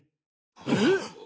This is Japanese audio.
えっ！